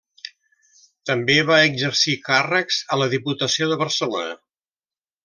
També va exercir càrrecs a la Diputació de Barcelona.